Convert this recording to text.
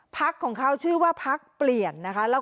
พักฯของเขาชื่อว่าพักฯเปลี่ยน